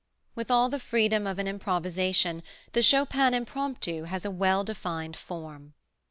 With all the freedom of an improvisation the Chopin impromptu has a well defined form.